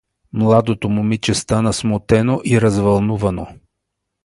Младото момиче стана смутено и развълнувано.